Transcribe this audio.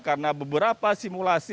karena beberapa simulasi